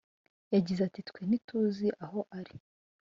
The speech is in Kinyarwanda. yagize ati “Twe ntituzi aho ari